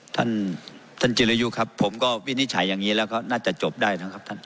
ท่านท่านจิรยุครับผมก็วินิจฉัยอย่างนี้แล้วก็น่าจะจบได้นะครับท่าน